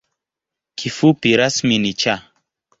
Kifupi rasmi ni ‘Cha’.